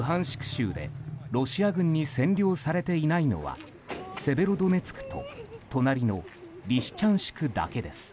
州でロシア軍に占領されていないのはセベロドネツクと隣のリシチャンシクだけです。